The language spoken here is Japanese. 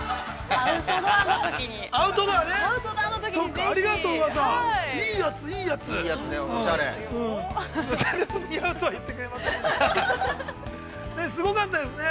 ◆アウトドアね。